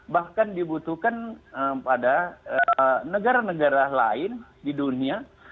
bahkan dibutuhkan pada negara negara lain di dunia